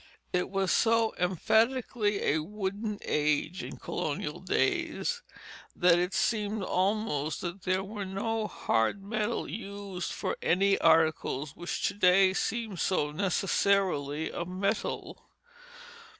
It was so emphatically a wooden age in colonial days that it seemed almost that there were no hard metals used for any articles which to day seem so necessarily of metal.